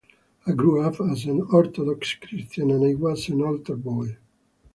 I grew up as an Orthodox Christian and I was an altar boy.